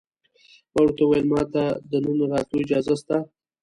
ما ورته وویل: ما ته د دننه راتلو اجازه شته؟